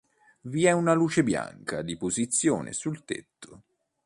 Vi è una luce bianca di posizione sul tetto.